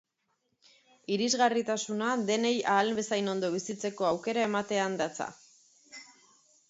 Irisgarritasunak denei ahal bezain ondo bizitzeko aukera ematean datza.